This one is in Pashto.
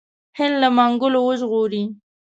هند له منګولو وژغوري.